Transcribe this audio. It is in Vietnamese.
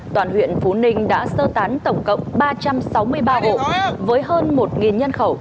toàn huyện phú ninh đã sơ tán tổng cộng ba trăm sáu mươi ba hộ với hơn một nhân khẩu